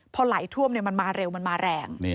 พอไหลท่วมมันมาเร็วมันมาแรง